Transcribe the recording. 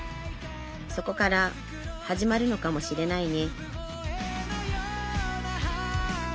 そこから始まるのかもしれないね